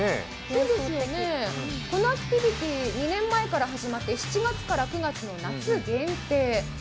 このアクティビティー、２年前から始まって７月から９月の夏限定。